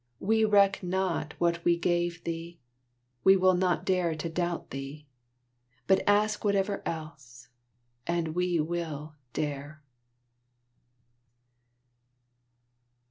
We reck not what we gave thee; We will not dare to doubt thee, But ask whatever else, and we will dare!